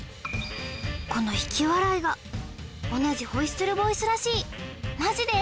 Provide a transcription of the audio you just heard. この引き笑いが同じホイッスルボイスらしいマジで？